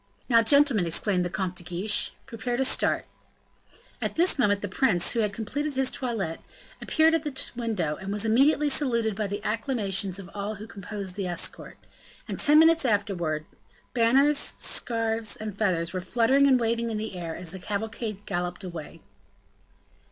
"Now, gentlemen," exclaimed the Comte de Guiche, "prepare to start." At this moment the prince, who had complete his toilette, appeared at the window, and was immediately saluted by the acclamations of all who composed the escort, and ten minutes afterwards, banners, scarfs, and feathers were fluttering and waving in the air, as the cavalcade galloped away.